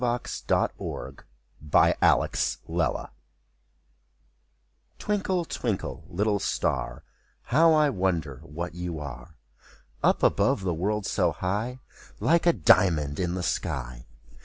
373 MY BOOK HOUSE THE STAR Twinkle, twinkle, little star. How I wonder what you are! Up above the world, so high, Like a diamond in the sky.